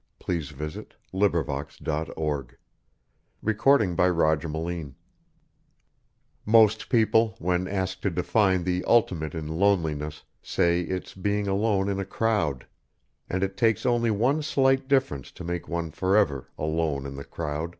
THE SOUND OF SILENCE BY BARBARA CONSTANT Most people, when asked to define the ultimate in loneliness, say it's being alone in a crowd. And it takes only one slight difference to make one forever alone in the crowd....